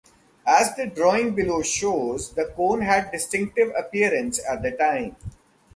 As the drawing below shows the cone had distinctive appearance at the time.